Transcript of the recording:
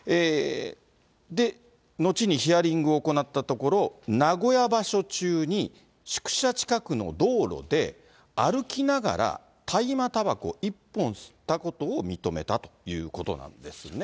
で、後にヒアリングを行ったところ、名古屋場所中に宿舎近くの道路で、歩きながら大麻たばこ１本吸ったことを認めたということなんですね。